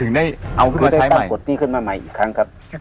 มึงได้ตั้งกฎที่ขึ้นมาใหม่อีกครั้งครับ